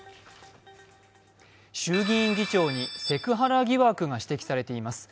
衆議院議長にセクハラ疑惑が指摘されています。